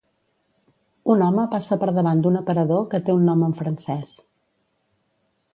Un home passa per davant d'un aparador que té un nom en francès.